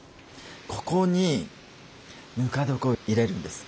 ここにぬか床を入れるんです。